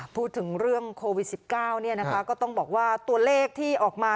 พูดถึงเรื่องโควิด๑๙ก็ต้องบอกว่าตัวเลขที่ออกมา